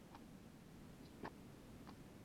Se disputa anualmente en el mes de noviembre.